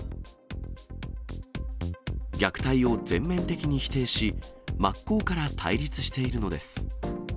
虐待を全面的に否定し、真っ向から対立しているのです。